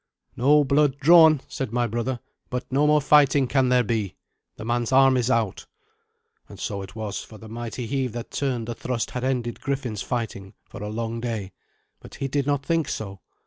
"No blood drawn," said my brother, "but no more fighting can there be. The man's arm is out." And so it was, for the mighty heave that turned the thrust had ended Griffin's fighting for a long day. But he did not think so.